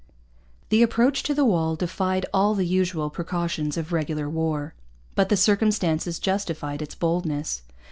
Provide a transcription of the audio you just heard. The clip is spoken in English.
The approach to the walls defied all the usual precautions of regular war. But the circumstances justified its boldness.